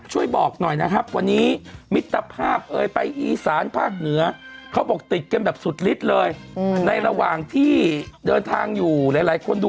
เป็นอย่างไรเดี๋ยวกลับมาเล่าให้ฟังฮะ